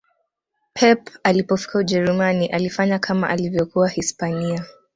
pep alipofika ujerumani alifanya kama alivyokuwa hispania